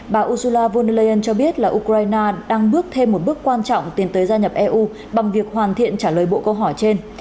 bà ursula von leyen cho biết là ukraine đang bước thêm một bước quan trọng tiến tới gia nhập eu bằng việc hoàn thiện trả lời bộ câu hỏi trên